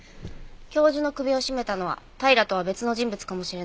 教授の首を絞めたのは平良とは別の人物かもしれない。